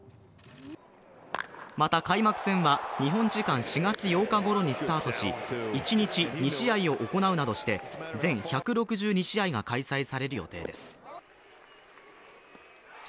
また開幕戦は日本時間４月８日ごろにスタートし一日２試合を行うなどして、全１６２試合が開催される予定です。